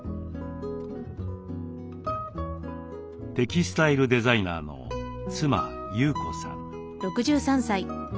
テキスタイルデザイナーの妻優子さん。